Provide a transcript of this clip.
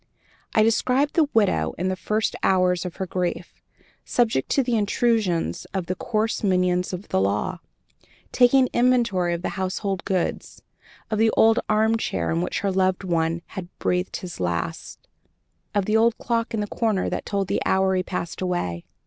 I described the widow in the first hours of her grief, subject to the intrusions of the coarse minions of the law, taking inventory of the household goods, of the old armchair in which her loved one had breathed his last, of the old clock in the corner that told the hour he passed away.